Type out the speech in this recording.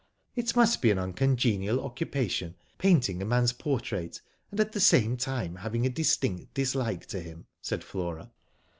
"It must be an uncongenial occupation painting a man's portrait, and at the same time having a distinct dislike to him," said Flora.